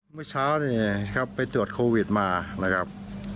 เมื่อเช้านี่ไงครับไปตรวจโควิดมานะครับ